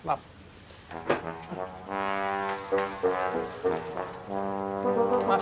maaf aceh jalan ya maknya